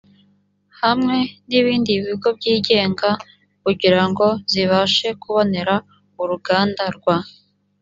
hamwe n ibindi bigo byigenga kugira ngo zibashe kubonera uruganda rwa